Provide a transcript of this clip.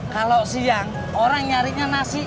kalau siang orang nyarinya nasi